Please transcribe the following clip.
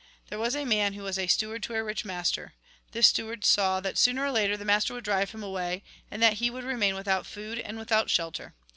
There was a man who was steward to a rich master. This steward saw that, sooner or later, the master would drive him away, and that he would remain without food, and without shelter.